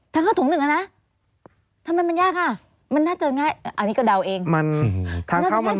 ถ้าเข้าถงหนึ่งอ่ะนะทำไมมันยากอ่ะมันน่าเจอง่ายอันนี้ก็เดาเอง